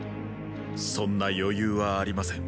そんな余裕はありません。